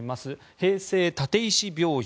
平成立石病院。